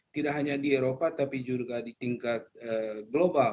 tidak hanya di eropa tapi juga di tingkat global